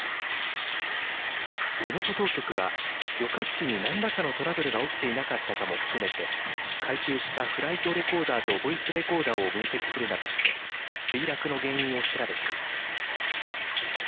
地元当局は旅客機に何らかのトラブルが起きていなかったかも含めて回収したフライトレコーダーとボイスレコーダーを分析するなどして墜落の原因を調べています。